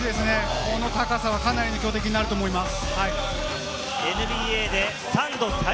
この高さはかなりの強敵になると思います。